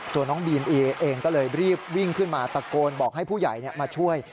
น้องบีมอีเองก็เลยรีบวิ่งขึ้นมาตะโกนบอกให้ผู้ใหญ่มาช่วย